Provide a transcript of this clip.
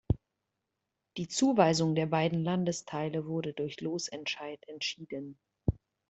Die Zuweisung der beiden Landesteile wurde durch Losentscheid entschieden.